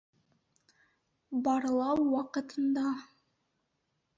Ьарлау ваҡытында: